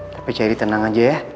tapi cari tenang aja ya